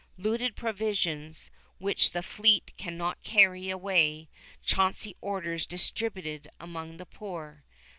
Looted provisions which the fleet cannot carry away, Chauncey orders distributed among the poor.